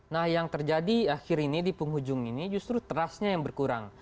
nah yang terjadi akhir ini di penghujung ini justru trustnya yang berkurang